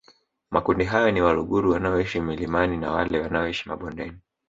Makundi hayo ni Waluguru wanaoishi milimani na wale wanaoishi mabondeni